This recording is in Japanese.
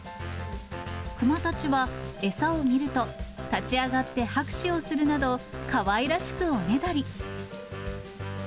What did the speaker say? クマたちは餌を見ると、立ち上がって拍手をするなど、かわいらしくおねだり。